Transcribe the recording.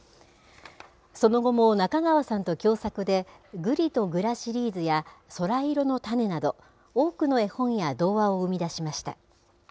その後も中川さんと共作で、ぐりとぐらシリーズやそらいろのたねなど、多くの絵本や童話を生み出しました。